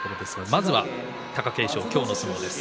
まずは貴景勝、今日の相撲です。